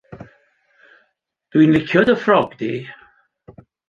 Dw i'n licio dy ffrog di.